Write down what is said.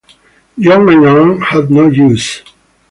John and Joan had no issue.